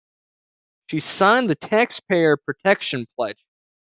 She signed the Taxpayer Protection Pledge.